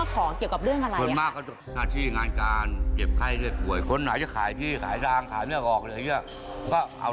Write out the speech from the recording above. และในเรื่องของการขอผลกับองค์หลวงพ่อโตเนี่ยค่ะ